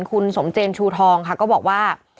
คุณสมเจนชูทองค่ะก็บอกว่า